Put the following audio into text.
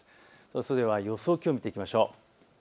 それでは予想気温を見ていきましょう。